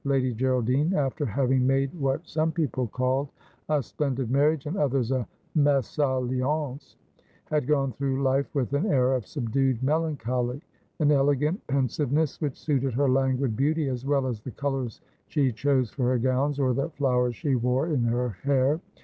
Lady Geraldine, after having made what some people called a splendid marriage, and others a mesalliance^ had gone through life with an air of subdued melancholy, an elegant pensiveness which suited her languid beauty as well as the colours she chose for her gowns, or the flowers she wore in her hair.